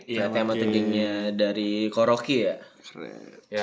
iya timeout gangnya dari koroki ya